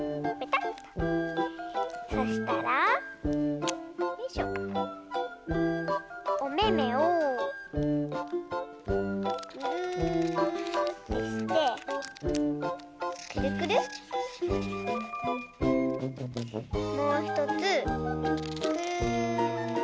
そしたらよいしょおめめをぐるってしてくるくるもうひとつくる